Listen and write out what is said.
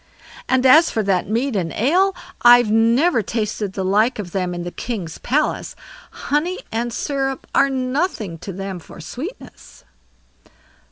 "And as for that mead and ale, I've never tasted the like of them in the king's palace; honey and syrup are nothing to them for sweetness."